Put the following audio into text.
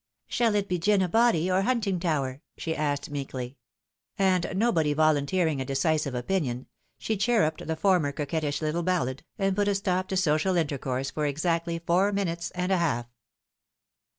" Shall it be ' Gin a body ' or ' Huntingtower '?" she asked meekly; and nobody volunteering a decisive opinion, she The Grave on the Hill 285 chirruped the former coquettish little ballad, and put a stop to social intercourse for exactly four minutes and a half.